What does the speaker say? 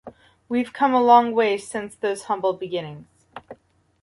We've come a long way since those humble beginnings.